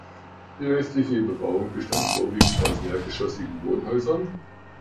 Die restliche Bebauung bestand vorwiegend aus mehrgeschossigen Wohnhäusern.